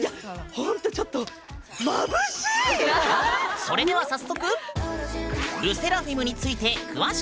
ほんとちょっとそれでは早速！